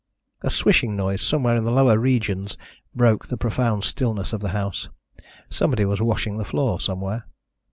A swishing noise, somewhere in the lower regions, broke the profound stillness of the house. Somebody was washing the floor, somewhere.